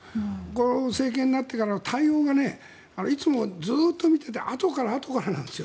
この政権になってから対応がいつもずっと見ていてあとからあとからなんです。